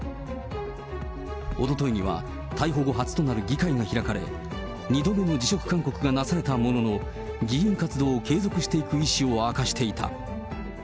おとといには逮捕後初となる議会が開かれ、２度目の辞職勧告がなされたものの、議員活動を継続していく意思を明かしていた。